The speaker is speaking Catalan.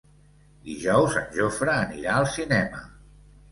Dijous en Jofre anirà al cinema.